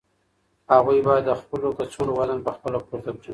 هغوی باید د خپلو کڅوړو وزن په خپله پورته کړي.